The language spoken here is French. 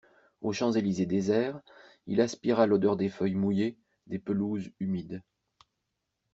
Aux Champs-Elysées déserts, il aspira l'odeur des feuilles mouillées, des pelouses humides.